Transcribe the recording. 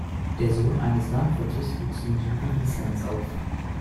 Der Sohn eines Landwirtes wuchs im Süden Islands auf.